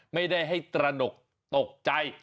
ไม่ได้ให้ตระหนกตกใจ